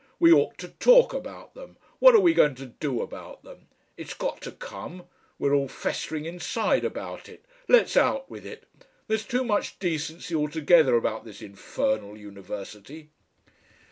We OUGHT to talk about them. What are we going to do about them? It's got to come. We're all festering inside about it. Let's out with it. There's too much Decency altogether about this Infernal University!"